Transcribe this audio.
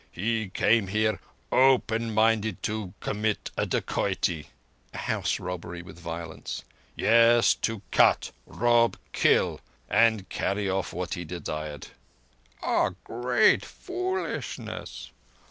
"He came here open minded to commit a dacoity (a house robbery with violence). Yes, to cut, rob, kill, and carry off what he desired." "A great foolishness!"